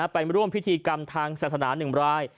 ไปร่วมพิธีกรรมทางศาสนา๑ราย